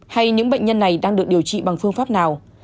hay những bệnh nhân này đang được điều trị bằng phương pháp nào